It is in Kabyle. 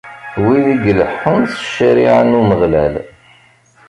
Wid i ileḥḥun s ccariɛa n Umeɣlal!